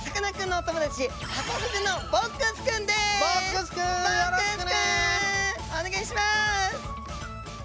お願いします！